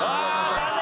残念。